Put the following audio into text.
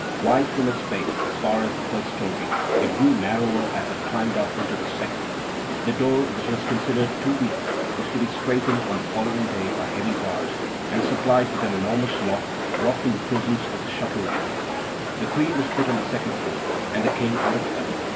Wide from its base as far as the first story, it grew narrower as it climbed up into the second. The door, which was considered too weak, was to be strengthened on the following day by heavy bars, and supplied with an enormous lock brought from the prisons of the Châtelet. The Queen was put on the second floor, and the King on the third.